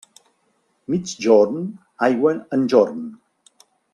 Migjorn, aigua enjorn.